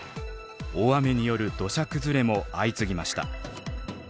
大雨による土砂崩れも相次ぎました。